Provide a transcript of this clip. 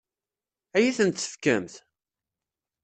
Ad iyi-tent-tefkemt?